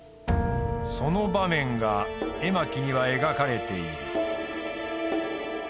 その場面が絵巻には描かれている。